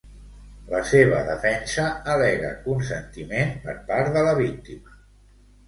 La seva defensa al·lega consentiment per part de la víctima.